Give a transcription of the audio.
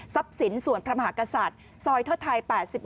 สินส่วนพระมหากษัตริย์ซอยเทิดไทย๘๑